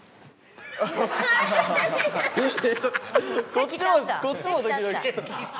こっちもこっちもドキドキ。